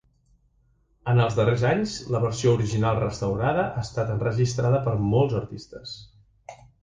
En els darrers anys, la versió original restaurada ha estat enregistrada per molts artistes.